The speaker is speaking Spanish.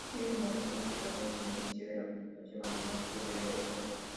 Tiene numerosas aplicaciones en ciencias de la computación, matemática y teoría de juegos.